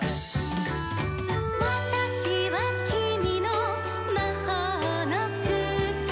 「『わたしはきみのまほうのくつ』」